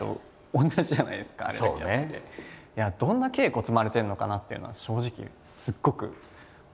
どんな稽古を積まれてるのかなっていうのは正直すごく思いました僕は。